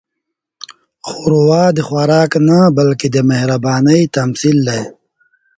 ښوروا د خوراک نه، بلکې د مهربانۍ تمثیل دی.